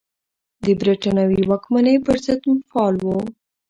د بریتانوي واکمنۍ پر ضد فعال و.